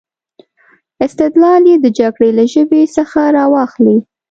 استدلال یې د جګړې له ژبې څخه را واخلي.